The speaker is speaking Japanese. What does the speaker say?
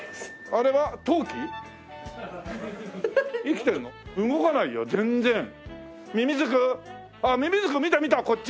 ああっミミズク見た見たこっち！